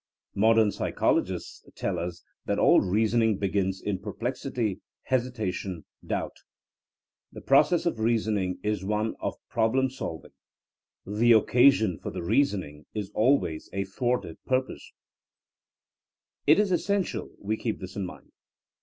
Modem psychologists tell us that all reason ing begins in perplexity, hesitation, doubt. The process of reasoning is one of problem solving. ... The occasion for the reasoning is always a thwarted purpose. ''^ It is essential we keep this in mind.